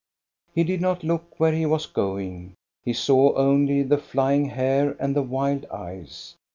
He did not look where he was going; he saw only the flying hair and the wild eyes.